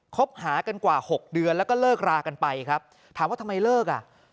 คบหากันกว่าหกเดือนแล้วก็เลิกรากันไปครับถามว่าทำไมเลิกอ่ะ